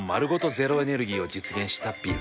ゼロエネルギーを実現したビル。